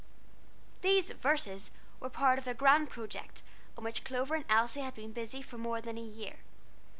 These "Verses" were part of a grand project on which Clover and Elsie had been busy for more than a year.